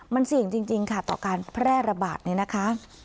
มันเสี่ยงจริงค่ะต่อการแพร่ระบาดนี้นะคะ